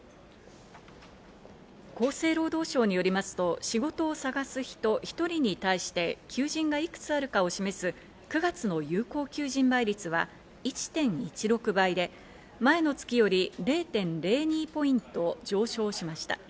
厚生労働省によりますと、仕事を探す人一人に対して求人がいくつあるかを示す９月の有効求人倍率は１．１６倍で、前の月より０．０２ポイント上昇しました。